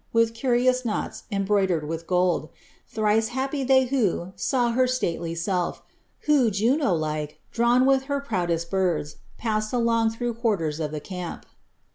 With curious knots embroidered with gold ; Thrice happy they who saw her stately self, Who, Juno likCf drawne with her proudest birds. Passed along through quarters of the camp."